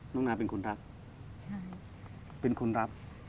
น้องน้าเป็นคนรับ